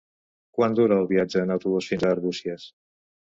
Quant dura el viatge en autobús fins a Arbúcies?